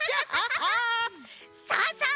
さあさあ